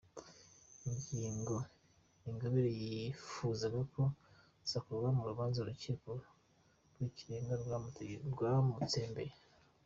Ingingo Ingabire yifuzaga ko zakurwa mu rubanza Urukiko rw’Ikirenga rwamutsembeye